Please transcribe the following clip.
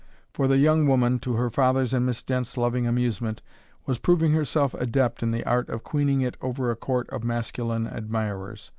For the young woman, to her father's and Miss Dent's loving amusement, was proving herself adept in the art of queening it over a court of masculine admirers.